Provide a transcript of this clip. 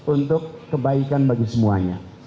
untuk kebaikan bagi semuanya